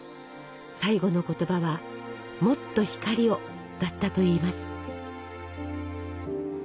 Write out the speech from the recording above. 最期の言葉は「もっと光を！」だったといいます。